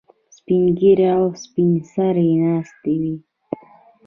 سپین ږیري او سپین سرې ناستې وي.